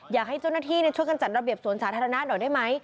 อยากให้เจ้าหน้าที่ช่วยกันจัดระเบียบสวนสาธารณะหน่อยได้ไหม